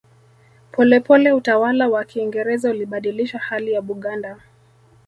Polepole utawala wa Kiingereza ulibadilisha hali ya Buganda